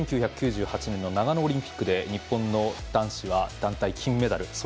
１９９８年の長野オリンピックで日本の男子は団体、金メダル。